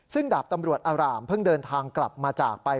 ซึ่งดาบตำรวจอร่ามเพิ่งเดินทางกลับมาจากไป